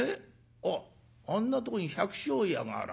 あっあんなとこに百姓家があら。